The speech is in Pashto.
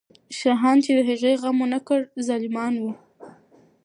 شاهان چې د هغې غم ونه کړ، ظالمان وو.